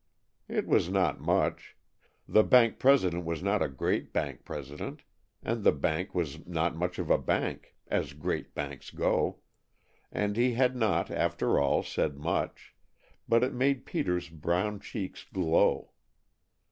It was not much. The bank president was not a great bank president, and the bank was not much of a bank as great banks go and he had not, after all, said much, but it made Peter's brown cheeks glow.